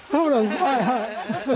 はいはい。